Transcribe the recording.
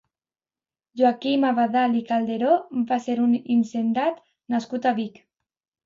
Joaquim Abadal i Calderó va ser un hisendat nascut a Vic.